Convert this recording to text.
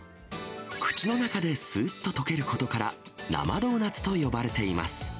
口の中ですーっと溶けることから、生ドーナツと呼ばれています。